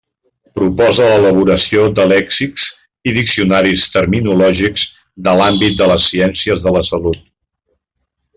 Proposa l'elaboració de lèxics i diccionaris terminològics de l'àmbit de les ciències de la salut.